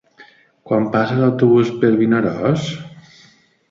Quan passa l'autobús per Vinaròs?